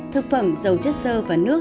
thực phẩm dâu chất sơ và nước